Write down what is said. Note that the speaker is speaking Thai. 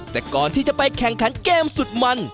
แต่ก่อนที่จะไปแข่งขันเกมสุดมัน